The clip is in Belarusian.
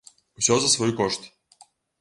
Усё за свой кошт.